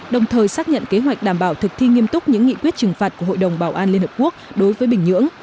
đồng thời xác nhận kế hoạch đảm bảo thực thi nghiêm túc những nghị quyết trừng phạt của hội đồng bảo an liên hợp quốc đối với bình nhưỡng